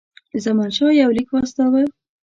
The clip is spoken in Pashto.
زمانشاه یو لیک واستاوه.